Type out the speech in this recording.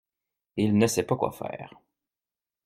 Il ne sait pas quoi faire.